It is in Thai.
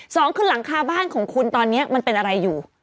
สองคือหลังคาบ้านของคุณตอนนี้มันเป็นอะไรอยู่